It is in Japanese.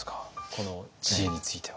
この知恵については。